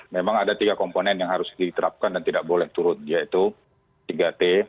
memang ada tiga komponen yang harus diterapkan dan tidak boleh turun yaitu tiga t